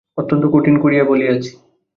অত্যন্ত কঠিন করিয়া বলিয়াছি।